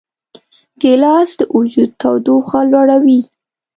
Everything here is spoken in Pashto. ګیلاس د وجود تودوخه لوړوي.